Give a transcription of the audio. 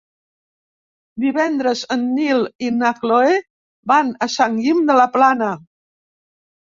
Divendres en Nil i na Cloè van a Sant Guim de la Plana.